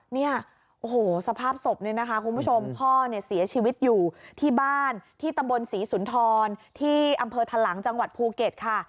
เนี่ยโอ้โหสภาพศพเนี่ยนะคะคุณผู้ชมพ่อเนี่ยเสียชีวิตอยู่ที่บ้านที่ตำบลศรีสุนทรที่อำเภอทะลังจังหวัดภูเก็ตค่ะ